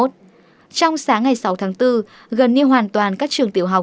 trong sáng ngày sáu tháng bốn gần như hoàn toàn các trường tiểu học